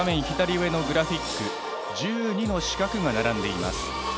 左上のグラフィック１２の四角が並んでいます。